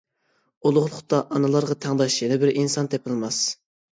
ئۇلۇغلۇقتا ئانىلارغا تەڭداش يەنە بىر ئىنسان تېپىلماس!